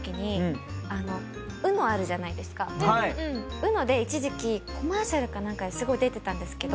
ＵＮＯで一時期コマーシャルか何かですごい出てたんですけど。